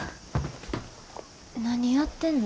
何やってんの？